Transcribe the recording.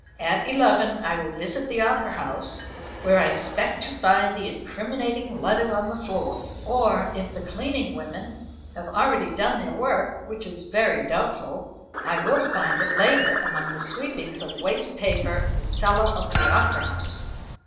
At eleven I will visit the opera house, where I expect to find the incriminating letter on the floor, or if the cleaning women have already done their work, which is very doubtful, I will find it later among the sweepings of waste paper in the cellar of the opera house.